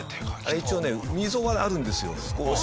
一応ね溝があるんですよ少し。